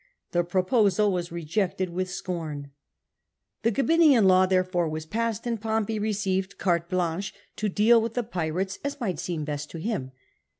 The proposal was rejected with scorn. The Gabinian Law, therefore, was passed, and Pompey received carte Uanche to deal with the pirates as might seem best to him.